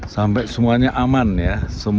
sampai semuanya aman ya